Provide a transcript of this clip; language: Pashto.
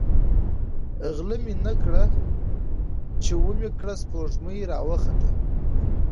ـ غله مې نه کړه ،چې ومې کړه سپوږمۍ راوخته.